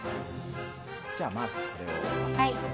じゃあまずこれを渡すね。